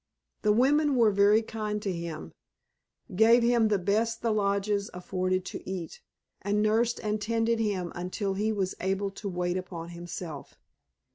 The women were very kind to him, gave him the best the lodges afforded to eat, and nursed and tended him until he was able to wait upon himself.